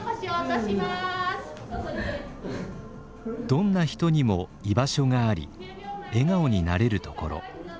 どんな人にも居場所があり笑顔になれるところ。